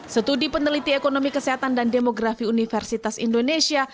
setelah penelitian ekonomi kesehatan dan demografi universitas indonesia